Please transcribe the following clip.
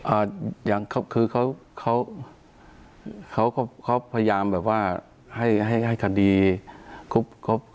อ่ายังคือเขาพยายามแบบว่าให้คดีครับ